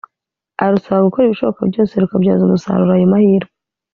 arusaba gukora ibishoboka byose rukabyaza umusaruro ayo mahirwe